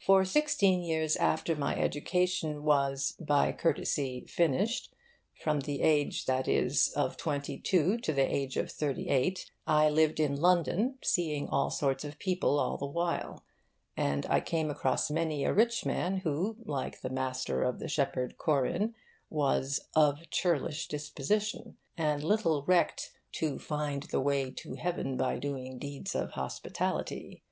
For sixteen years after my education was, by courtesy, finished from the age, that is, of twenty two to the age of thirty eight, I lived in London, seeing all sorts of people all the while; and I came across many a rich man who, like the master of the shepherd Corin, was 'of churlish disposition' and little recked 'to find the way to heaven by doing deeds of hospitality.